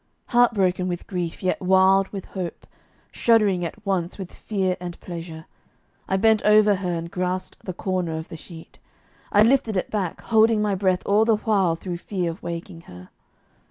Heartbroken with grief, yet wild with hope, shuddering at once with fear and pleasure, I bent over her and grasped the corner of the sheet. I lifted it back, holding my breath all the while through fear of waking her.